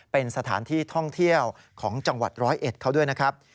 เป็นสถานที่ท่องเที่ยวของจังหวัดร้อยเอ็ดเขาด้วยนะครับ